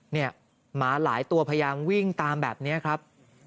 หมาหลายตัวพยายามวิ่งตามแบบนี้ครับ